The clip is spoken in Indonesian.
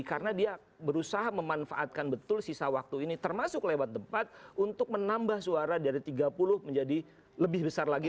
karena dia berusaha memanfaatkan betul sisa waktu ini termasuk lewat tempat untuk menambah suara dari tiga puluh menjadi lebih besar lagi